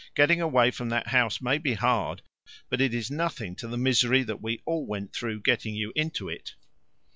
Getting away from that house may be hard, but it is nothing to the misery that we all went through getting you into it."